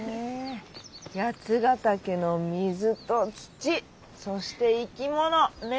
八ヶ岳の水と土そして生き物巡ってるね！